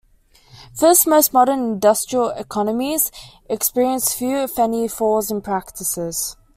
First, most modern industrial economies experience few if any falls in prices.